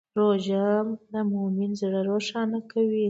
روژه د مؤمن زړه روښانه کوي.